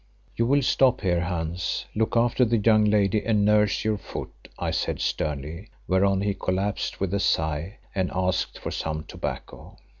"You will stop here, Hans, look after the young lady and nurse your foot," I said sternly, whereon he collapsed with a sigh and asked for some tobacco.